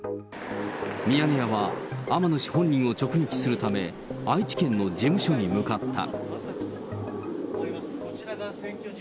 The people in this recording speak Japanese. ミヤネ屋は、天野氏本人を直撃するため、愛知県の事務所に向かった。